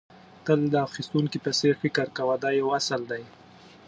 تل د اخيستونکي په څېر فکر کوه دا یو اصل دی.